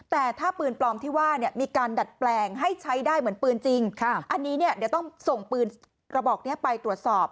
แต่ถ้าปืนปลอมที่ว่าเนี่ยมีการดัดแปลงให้ใช้ได้เหมือนปืนจริงอันนี้เนี่ยเดี๋ยวต้องส่งปืนกระบอกนี้ไปตรวจสอบ